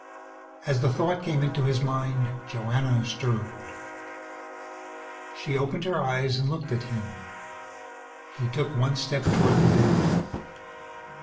As the thought came into his mind, Joanna stirred. She opened her eyes and looked at him. He took one step toward the bed.